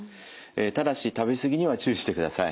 ただし食べ過ぎには注意してください。